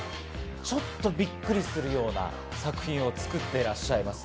ちょっとびっくりするような作品を作ってらっしゃいます。